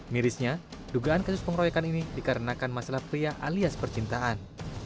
mirisnya dugaan kasus pengeroyokan ini dikarenakan masalah pria alias percintaan